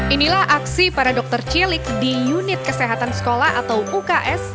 inilah aksi para dokter cilik di unit kesehatan sekolah atau uks